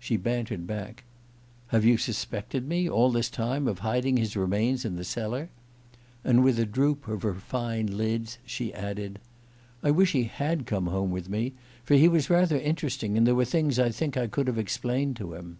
She bantered back: "Have you suspected me, all this time, of hiding his remains in the cellar?" And with a droop of her fine lids she added: "I wish he had come home with me, for he was rather interesting, and there were things I think I could have explained to him."